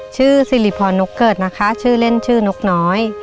ชื่อสิริพรนกเกิดนะคะชื่อเล่นชื่อนกน้อย